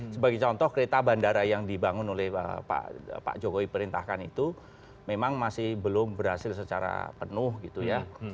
sebagai contoh kereta bandara yang dibangun oleh pak jokowi perintahkan itu memang masih belum berhasil secara penuh gitu ya